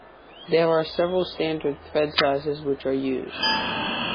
There are several standard thread sizes which are used.